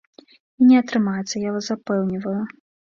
І не атрымаецца, я вас запэўніваю.